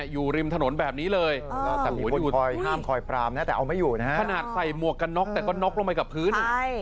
อยู่ริมถนนแบบนี้เลยแต่มีคนคอยห้ามคอยปรามนะแต่เอาไม่อยู่นะฮะขนาดใส่หมวกกันน็อกแต่ก็นกลงไปกับพื้น